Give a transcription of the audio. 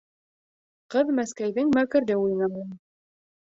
Ҡыҙ Мәскәйҙең мәкерле уйын аңлай.